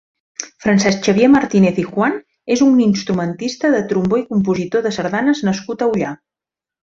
Francesc Xavier Martínez i Juan és un instrumentista de trombó i compositor de sardanes nascut a Ullà.